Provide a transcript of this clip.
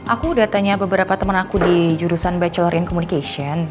aku udah tanya beberapa temen aku di jurusan batchorin communication